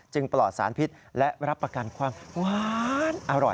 ปลอดสารพิษและรับประกันความหวานอร่อย